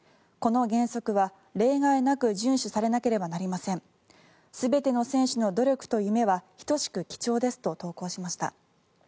この原則は例外なく順守されなければなりません全ての選手の努力と夢は等しく貴重ですと投稿しました。